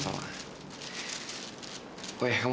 kalau tadi itu aku berpikirnya